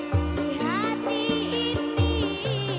ku berharap engkau mengerti